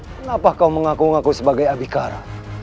kenapa kau mengaku ngaku sebagai abikara